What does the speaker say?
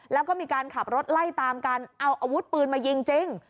แล้วก็มีการขับรถไล่ตามกันเอาอาวุธปืนมายิงจริง